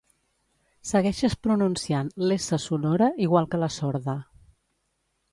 Segueixes pronunciant l'essa sonora igual que la sorda